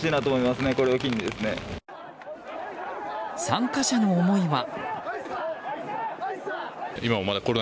参加者の思いは。